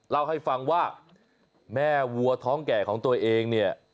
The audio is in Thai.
เล่าให้ฟังว่าแม่วัวท้องแก่ของตัวเองเนี่ย